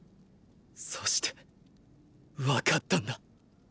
そしてわかったんだ。